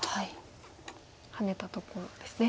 ハネたところですね。